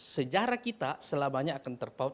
sejarah kita selamanya akan terpaut